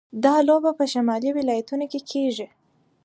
دا لوبه په شمالي ولایتونو کې کیږي.